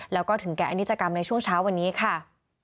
แล้วก็ถึงแก่อนิจกรรมในช่วงเช้าวันนี้ค่ะ